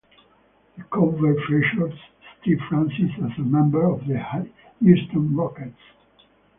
The cover features Steve Francis as a member of the Houston Rockets.